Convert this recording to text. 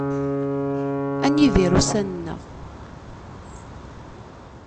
Ad nidir ussan-nneɣ.